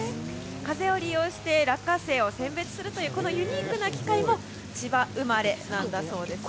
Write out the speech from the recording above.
風を利用して落花生を選別するというこのユニークな機械も千葉生まれなんだそうですよ。